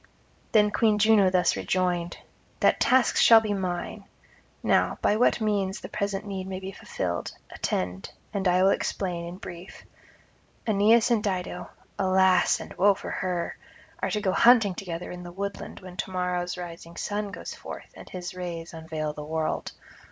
Then Queen Juno thus rejoined: 'That task shall be mine. Now, by what means the present need may be fulfilled, attend and I will explain in brief. Aeneas and Dido (alas and woe for her!) are to go hunting together in the woodland when to morrow's rising sun goes forth and his rays unveil the world.